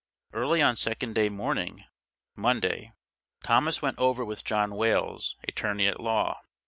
Early on Second day morning (Monday), Thomas went over with John Wales, attorney at law.